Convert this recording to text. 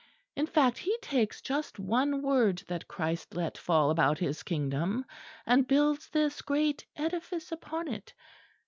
In fact, he takes just one word that Christ let fall about His Kingdom, and builds this great edifice upon it.